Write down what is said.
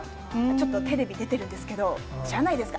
ちょっとテレビ出てるんですけど、知らないですか？